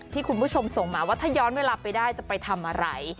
คุณผู้ชมส่งมาว่าถ้าย้อนเวลาไปได้จะไปทำอะไร